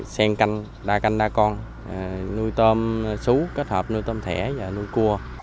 xen canh đa canh đa con nuôi tôm sú kết hợp nuôi tôm thẻ và nuôi cua